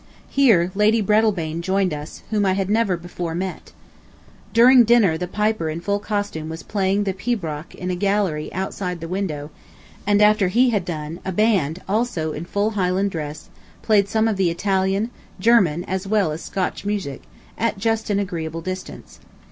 Here Lady Breadalbane joined us, whom I had never before met. ... During dinner the piper in full costume was playing the pibroch in a gallery outside the window, and after he had done a band, also in full Highland dress, played some of the Italian, German as well as Scotch music, at just an agreeable distance.